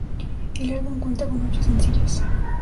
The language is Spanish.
El álbum cuenta con ocho sencillos.